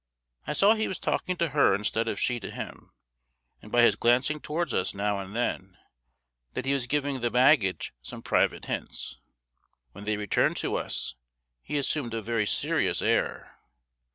I saw he was talking to her instead of she to him, and by his glancing towards us now and then, that he was giving the baggage some private hints. When they returned to us, he assumed a very serious air.